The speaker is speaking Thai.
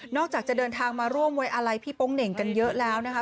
จะเดินทางมาร่วมไว้อาลัยพี่โป๊งเหน่งกันเยอะแล้วนะคะ